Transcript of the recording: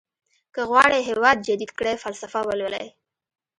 که غواړئ هېواد جديد کړئ فلسفه ولولئ.